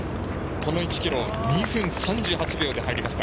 この１ｋｍ２分３８秒で入りました。